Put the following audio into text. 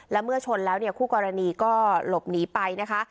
และเมื่อชนแล้วเนี่ยคู่กรณีก็หลบหนีไปนะคะ